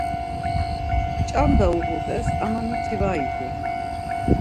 Ç̌anda uğut̆es ama miti var idu.